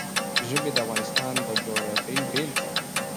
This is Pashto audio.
ژبې د افغانستان د جغرافیې بېلګه ده.